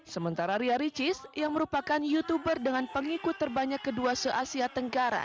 sementara ria ricis yang merupakan youtuber dengan pengikut terbanyak kedua se asia tenggara